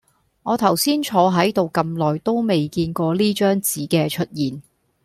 我頭先坐喺度咁耐都未見過呢張紙嘅出現